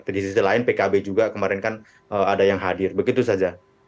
di sisi lain pkb juga kemarin kan ada yang hadir begitu saja